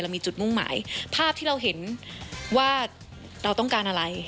มีจุดมุ่งหมายภาพที่เราเห็นว่าเราต้องการอะไร